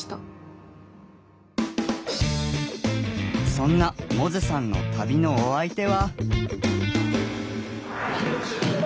そんな百舌さんの旅のお相手は。